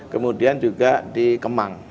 kemudian juga di kemang